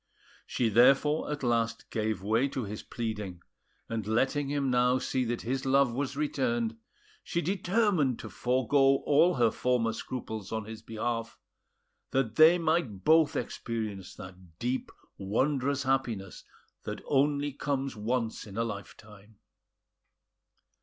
She therefore at last gave way to his pleading; and letting him now see that his love was returned, she determined to forego all her former scruples on his behalf, that they might both experience that deep wondrous happiness that only comes once in a life time.